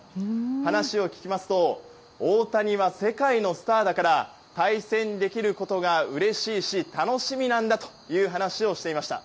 話を聞きますと大谷は世界のスターだから対戦できることがうれしいし楽しみなんだという話をしていました。